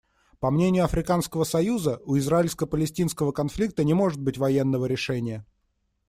По мнению Африканского союза, у израильско-палестинского конфликта не может быть военного решения.